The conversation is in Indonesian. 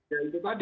yang itu tadi